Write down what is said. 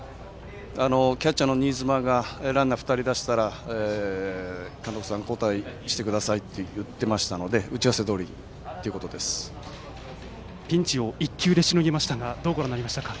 キャッチャーの新妻がランナー２人出したら監督さん、交代してくださいと言っていましたのでピンチを１球でしのぎましたがどうご覧になりましたか？